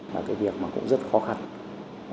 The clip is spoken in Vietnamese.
là cái việc mà cũng rất khó khăn